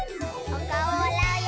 おかおをあらうよ。